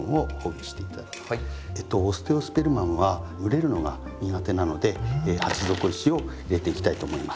オステオスペルマムは蒸れるのが苦手なので鉢底石を入れていきたいと思います。